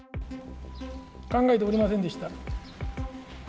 考えておりませんでした。